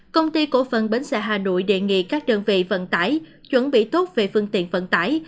công ty cổ phần bến xe hà nội đề nghị các đơn vị vận tải chuẩn bị tốt về phương tiện vận tải